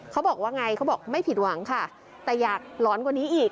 เขาบอกว่าไงเขาบอกไม่ผิดหวังค่ะแต่อยากหลอนกว่านี้อีก